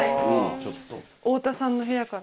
太田さんの部屋から。